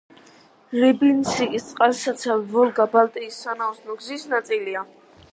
რიბინსკის წყალსაცავი ვოლგა-ბალტიის სანაოსნო გზის ნაწილია.